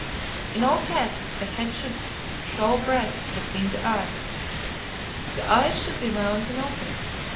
In all cats the head should show breadth between the eyes. The eyes should be round and open.